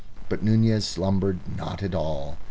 But Nunez slumbered not at all.